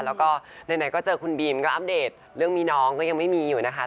แล้วก็ไหนก็เจอคุณบีมก็อัปเดตเรื่องมีน้องก็ยังไม่มีอยู่นะคะ